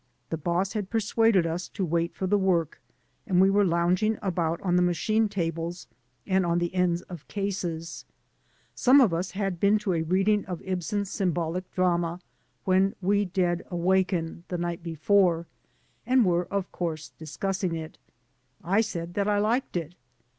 The boss had persuaded us to wait for the work, and we were lounging about on the machine tables and on the ends of cases. Some of us had been to a reading of 159 AN AMERICAN IN THE MAKING Ibsen's symbolic drama, "When We Dead Awaken," the night before, and were, of course, discussing it. I said that I liked it.